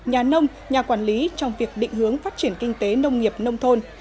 nhà nông nhà quản lý trong việc định hướng phát triển kinh tế nông nghiệp nông thôn